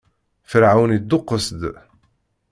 Ferɛun idduqes-d.